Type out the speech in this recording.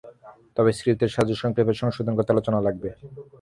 তবে স্ক্রিপ্টের সাহায্যে স্বয়ংক্রিয়ভাবে সংশোধন করতে আলোচনা লাগবে।